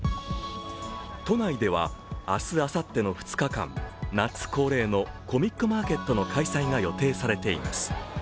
都内では、明日あさっての２日間、夏恒例のコミックマーケットの開催が予定されています。